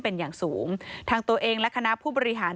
เป็นอย่างสูงทางตัวเองและคณะผู้บริหาร